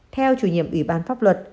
theo chủ nhiệm ủy ban pháp luật